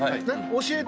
教えて。